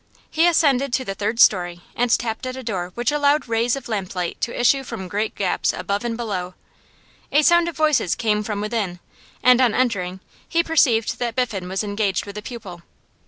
He ascended to the third storey and tapped at a door which allowed rays of lamplight to issue from great gaps above and below. A sound of voices came from within, and on entering he perceived that Biffen was engaged with a pupil.